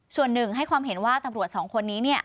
ส่วนหนึ่งให้ความเห็นว่าตำรวจสองคนนี้